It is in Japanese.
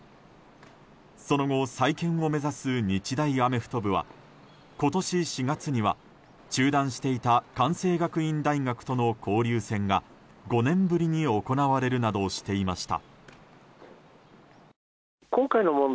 その後、再建を目指す日大アメフト部は今年４月には、中断していた関西学院大学との交流戦が５年ぶりに行われるなどしていました。